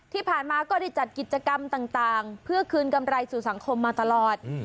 ที่ผ่านมาก็ได้จัดกิจกรรมต่างเพื่อคืนกำไรสู่สังคมมาตลอด